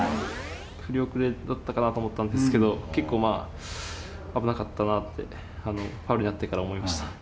振り遅れだったかなと思ったんですけど、結構、危なかったなって、ファウルになってから思いました。